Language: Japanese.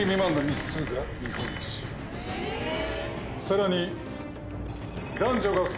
さらに。